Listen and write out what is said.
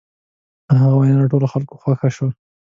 د هغه وینا د ټولو خلکو خوښه شوه.